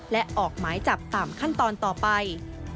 และออกหมายจับตามขั้นตอนต่อไป